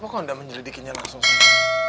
kenapa kamu tidak menyelidikinya langsung saja